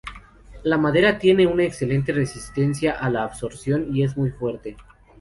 La madera tiene una excelente resistencia a la abrasión y es muy fuerte.